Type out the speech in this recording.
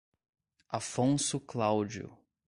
Afonso Cláudio